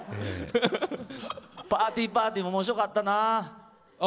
パーティーパーティーもおもしろかったな。